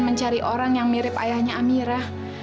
dan cari orang yang mirip ayahnya amira